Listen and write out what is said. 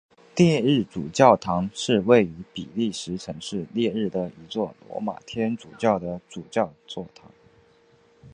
列日主教座堂是位于比利时城市列日的一座罗马天主教的主教座堂。